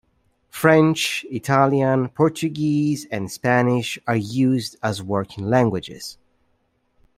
French, Italian, Portuguese, and Spanish are used as working languages.